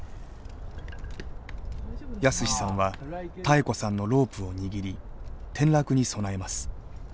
泰史さんは妙子さんのロープを握り転落に備えます。